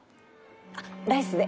あっライスで！